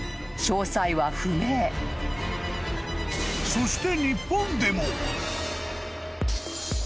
［そして］